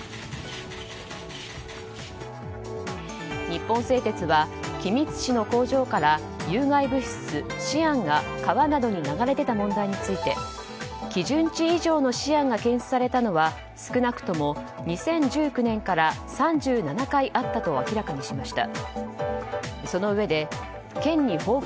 日本製鉄は君津市の工場から有害物質シアンが川などに流れ出た問題について基準値以上のシアンが検出されたのは少なくとも２０１９年から３７回あったと明らかにしました。